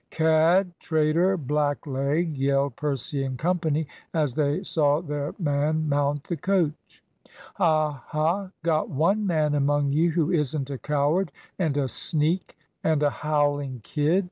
"Cad! traitor! blackleg!" yelled Percy and Co., as they saw their man mount the coach. "Ha, ha! got one man among you who isn't a coward and a sneak, and and a howling kid!"